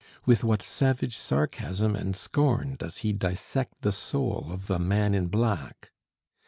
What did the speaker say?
With what savage sarcasm and scorn does he dissect the soul of the "man in black"!